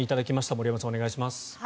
森山さん、お願いします。